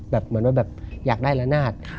เหมือนว่าแบบอยากได้ละนาด